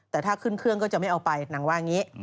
แต่ถ้าขึ้นเครื่องก็จะไม่เอาไปนางว่าอย่างนี้